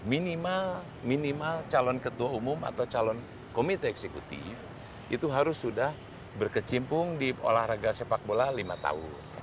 minimal calon ketua umum atau calon komite eksekutif itu harus sudah berkecimpung di olahraga sepak bola lima tahun